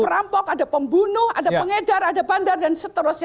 perampok ada pembunuh ada pengedar ada bandar dan seterusnya